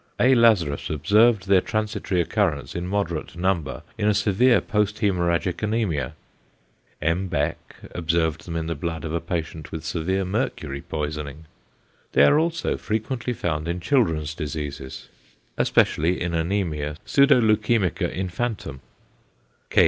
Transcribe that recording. A. Lazarus observed their transitory occurrence in moderate number in a severe posthæmorrhagic anæmia. M. Beck observed them in the blood of a patient with severe mercury poisoning. They are also frequently found in children's diseases, especially in anæmia pseudoleukæmica infantum. K.